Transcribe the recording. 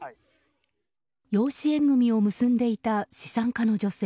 養子縁組を結んでいた資産家の女性